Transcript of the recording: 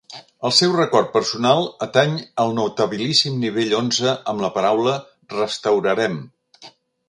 El seu rècord personal ateny el notabilíssim nivell onze amb la paraula "restaurarem".